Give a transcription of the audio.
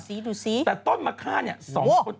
แต่ต้นมะค่าน่ะสองคน